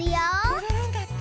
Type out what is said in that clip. おどるんだって！